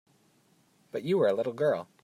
But you were a little girl.